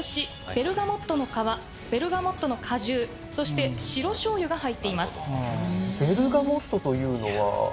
ベルガモットの皮ベルガモットの果汁そして白醤油が入っていますベルガモットというのは堀江さん